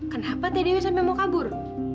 kenapa tdw sampai mau kabur